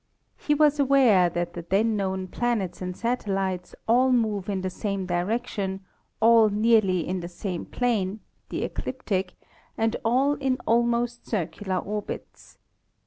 He was aware that the then known planets and satellites all move in the same direction, all nearly in the same plane — the ecliptic — and all in almost circular orbits.